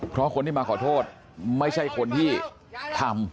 เพราะคนที่มาขอโทษไม่ใช่คนที่ทำ